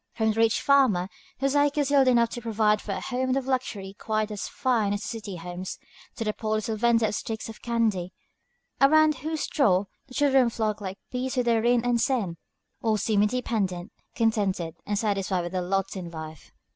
From the rich farmer, whose many acres yield enough to provide for a home of luxury quite as fine as the city homes, to the poor little vender of sticks of candy, around whose store the children flock like bees with their rin and sen, all seem independent, contented, and satisfied with their lot in life.